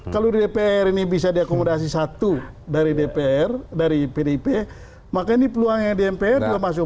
kalau di dpr ini bisa diakomodasi satu dari dpr dari pdip maka ini peluangnya di mpr juga masuk